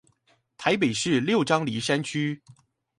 臺北市六張犁山區